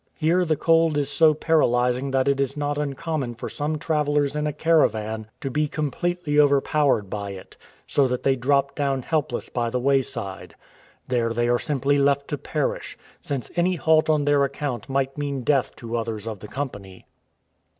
Heie the cold is so paralysing that it is not uncommon for some travellers in a caravan to be completely overpowered by it, so that they drop down helpless by the wayside. There they are simply left to perish, since any halt on their account might mean death to others of the company.